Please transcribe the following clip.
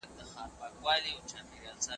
نور به نه ملوک سم نه د اوسپني څپلۍ لرم